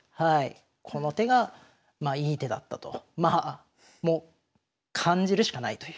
この手がいい手だったともう感じるしかないという。